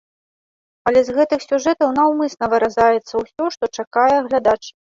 Але з гэтых сюжэтаў наўмысна выразаецца ўсё, што чакае глядач.